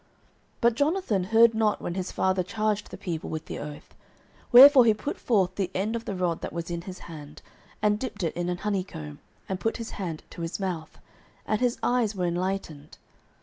09:014:027 But Jonathan heard not when his father charged the people with the oath: wherefore he put forth the end of the rod that was in his hand, and dipped it in an honeycomb, and put his hand to his mouth; and his eyes were enlightened.